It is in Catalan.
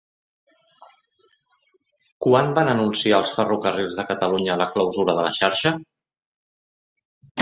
Quan van anunciar els Ferrocarrils de Catalunya la clausura de la xarxa?